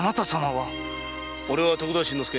俺は徳田新之助。